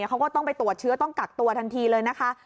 เขาก็ต้องไปตรวจเชื้อต้องกักตัวทันทีเลยนะคะ